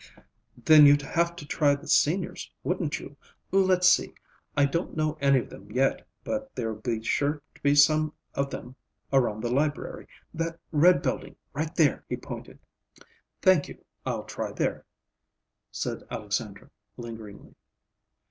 "Then you'd have to try the Seniors, wouldn't you? Let's see; I don't know any of them yet, but there'll be sure to be some of them around the library. That red building, right there," he pointed. "Thank you, I'll try there," said Alexandra lingeringly.